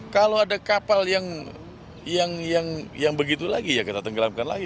kalau ada kapal yang begitu lagi ya kita tenggelamkan lagi